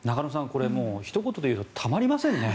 これ、もうひと言で言うとたまりませんね。